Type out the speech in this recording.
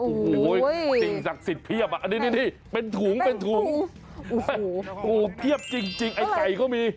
โอ้โหสิ่งศักดิ์สิทธิ์เพียบนี่เป็นถุงโอ้โหเพียบจริงไอ้ไข่ก็มี